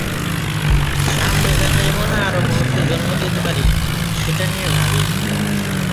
সামনে যেন এমন আরও মুহূর্তের জন্ম দিতে পারি, সেটা নিয়ে ভাবি।